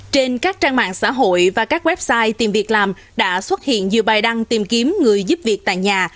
trên các trang mạng xã hội và các website tìm việc làm đã xuất hiện nhiều bài đăng tìm kiếm người giúp việc tại nhà